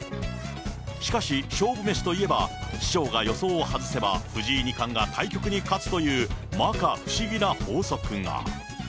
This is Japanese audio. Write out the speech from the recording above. しかし、勝負メシといえば、師匠が予想を外せば、藤井二冠が対局に勝つという、まか不思議な法則が。